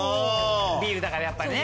ビールだからやっぱね。